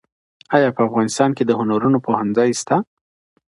ایا په افغانستان کي د هنرونو پوهنځی سته؟